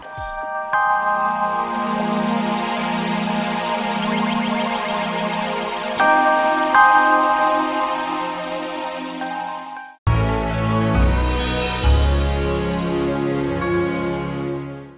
gue juga gak ada apa apa